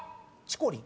「チコリ」！